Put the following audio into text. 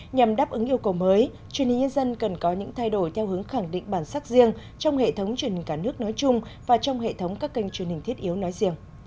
nhằm đáp ứng yêu cầu mới truyền hình nhân dân cần có những thay đổi theo hướng khẳng định bản sắc riêng trong hệ thống truyền hình cả nước nói chung và trong hệ thống các kênh truyền hình thiết yếu nói riêng